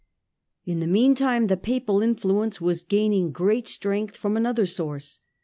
In the meantime the Papal influence was gaining great strength from another source.